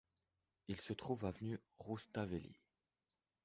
Il se trouve avenue Roustavéli.